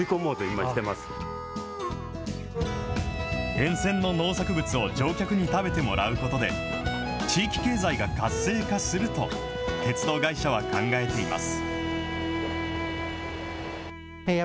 沿線の農作物を乗客に食べてもらうことで、地域経済が活性化すると、鉄道会社は考えています。